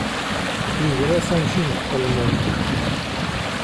Iger-as amcic deg uqelmun.